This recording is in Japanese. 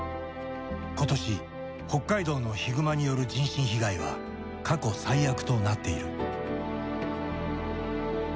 今年北海道のヒグマによる人身被害は過去最悪となっている。